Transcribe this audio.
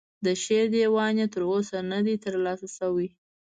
د شعر دیوان یې تر اوسه نه دی ترلاسه شوی.